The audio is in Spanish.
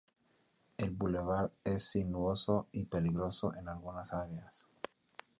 El bulevar es sinuoso y peligroso en algunas áreas.